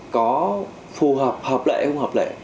có phù hợp hợp lệ không hợp lệ